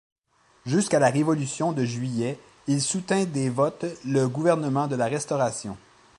Jusqu'à la révolution de Juillet, il soutint des votes le gouvernement de la Restauration.